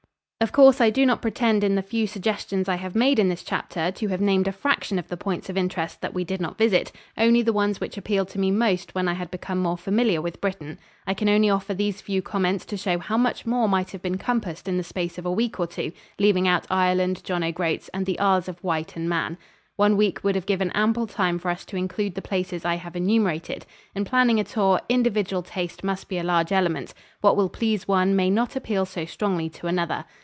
Of course I do not pretend in the few suggestions I have made in this chapter to have named a fraction of the points of interest that we did not visit only the ones which appealed to me most when I had become more familiar with Britain. I only offer these few comments to show how much more might have been compassed in the space of a week or two, leaving out Ireland, John O' Groats, and the Isles of Wight and Man. One week would have given ample time for us to include the places I have enumerated. In planning a tour, individual taste must be a large element. What will please one may not appeal so strongly to another.